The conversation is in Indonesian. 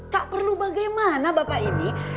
tak perlu bagaimana bapak ini